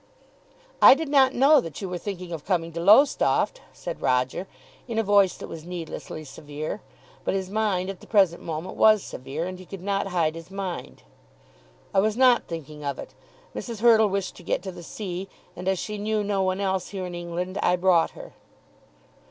"I did not know that you were thinking of coming to Lowestoft," said Roger in a voice that was needlessly severe. But his mind at the present moment was severe, and he could not hide his mind. [Illustration: The sands at Lowestoft.] "I was not thinking of it. Mrs. Hurtle wished to get to the sea, and as she knew no one else here in England, I brought her."